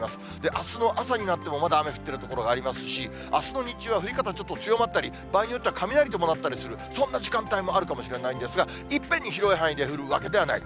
あすの朝になってもまだ雨降ってる所がありますし、あすの日中は降り方ちょっと強まったり、場合によっては雷伴ったりする、そんな時間帯もあるかもしれないんですが、いっぺんに広い範囲で降るわけではない。